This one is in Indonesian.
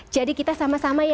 jadi kita sama sama ya